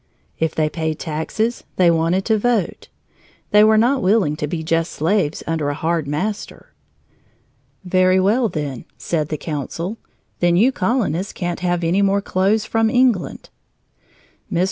If they paid taxes, they wanted to vote. They were not willing to be just slaves under a hard master. "Very well, then," said the council, "then you colonists can't have any more clothes from England." Mr.